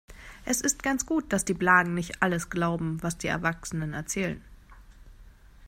Es ist ganz gut, dass die Blagen nicht alles glauben, was die Erwachsenen erzählen.